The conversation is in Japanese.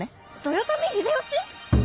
豊臣秀吉⁉